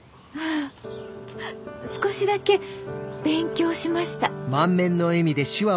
少しだけ勉強しました。